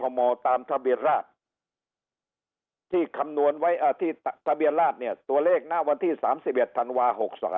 ของกรทมตามทะเบียนราชที่ทะเบียนราชเนี่ยตัวเลขหน้าวันที่๓๑ธันวา๖๓